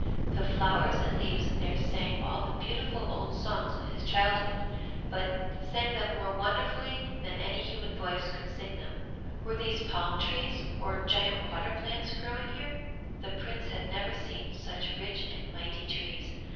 The flowers and leaves there sang all the beautiful old songs of his childhood, but sang them more wonderfully than any human voice could sing them. Were these palm trees or giant water plants growing here? The Prince had never seen such rich and mighty trees.